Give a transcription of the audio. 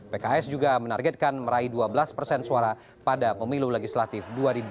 pks juga menargetkan meraih dua belas persen suara pada pemilu legislatif dua ribu dua puluh